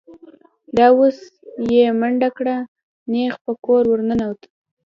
دا اوس یې منډه کړه، نېغ په کور ور ننوت.